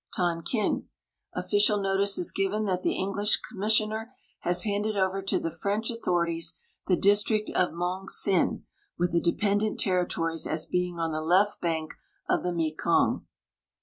Tonkin. Official notice is given that the English commissioner has handed over to the French authorities the district of Mongsin with the de])endent territories as being on the left bank of the Mekong.